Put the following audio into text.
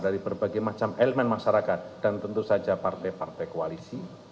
dari berbagai macam elemen masyarakat dan tentu saja partai partai koalisi